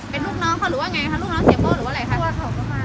เป็นลูกน่อง